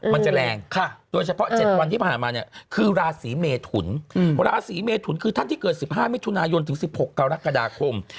มันจะแรงโดยเฉพาะ๗วันที่ผ่านมาเนี่ยคือราศีเมทุนราศีเมทุนคือท่านที่เกิด๑๕มิถุนายนถึง๑๖กรกฎาคม